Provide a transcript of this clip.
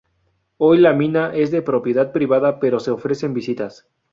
Hoy la mina es de propiedad privada, pero se ofrecen visitas.